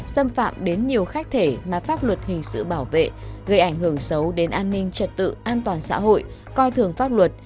xâm phạm đến nhiều khách thể mà pháp luật hình sự bảo vệ gây ảnh hưởng xấu đến an ninh trật tự an toàn xã hội coi thường pháp luật